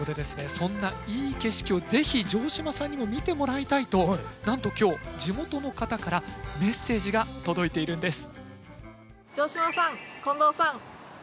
そんないい景色をぜひ城島さんにも見てもらいたいとなんと今日地元の方からメッセージが届いているんです。